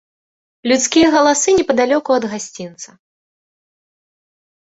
Людскія галасы непадалёку ад гасцінца.